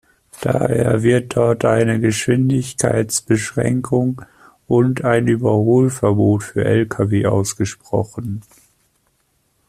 Daher wird dort eine Geschwindigkeitsbeschränkung und ein Überholverbot für Lkw ausgesprochen.